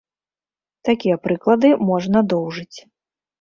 Такія прыклады можна доўжыць.